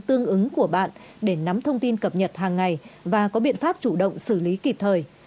tương ứng của bạn để nắm thông tin cập nhật hàng ngày và có biện pháp chủ động xử lý kịp thời